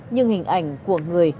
nhưng hình ảnh của người